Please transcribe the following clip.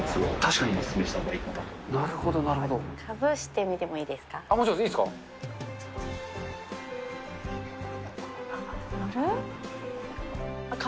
かぶせてみてもいいですか？